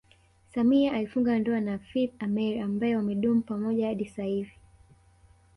Samia alifunga ndoa na Hafidh Ameir ambaye wamedumu pamoja hadi sasa hivi